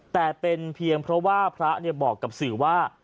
แต่เป็นเพียงเพราะว่าพระบอกกับสื่อว่า